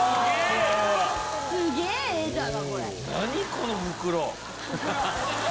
この袋。